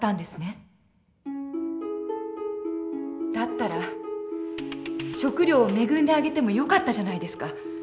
だったら食料を恵んであげてもよかったじゃないですか？